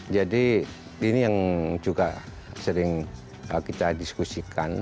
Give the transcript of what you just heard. jadi ini yang juga sering kita diskusikan